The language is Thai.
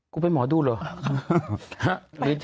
กูไปหมอดูเหรอค่ะ